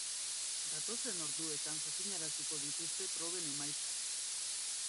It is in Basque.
Datozen orduetan jakinaraziko dituzte proben emaitzak.